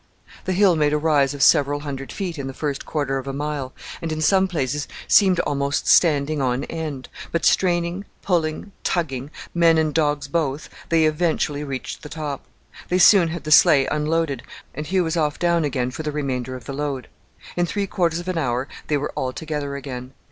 The hill made a rise of several hundred feet in the first quarter of a mile, and in some places seemed almost standing on end; but straining, pulling, tugging, men and dogs both, they eventually reached the top. They soon had the sleigh unloaded, and Hugh was off down again for the remainder of the load. In three quarters of an hour they were all together again.